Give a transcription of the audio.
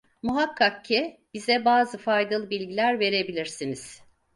Muhakkak ki bize bazı faydalı bilgiler verebilirsiniz…